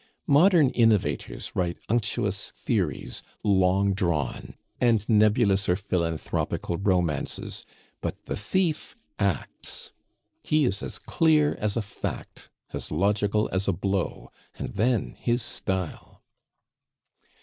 Modern innovators write unctuous theories, long drawn, and nebulous or philanthropical romances; but the thief acts. He is as clear as a fact, as logical as a blow; and then his style!